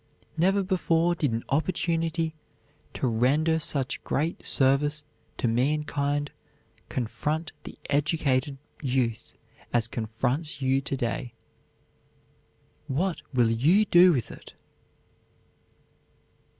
Never before did an opportunity to render such great service to mankind confront the educated youth as confronts you to day. WHAT WILL YOU DO WITH IT?